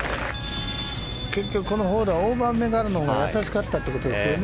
結局このホールはオーバーめになるのにやさしかったってことですよね。